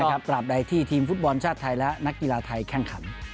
ตราบใดที่ทีมฟุตบอลชาติไทยและนักกีฬาไทยแข่งขัน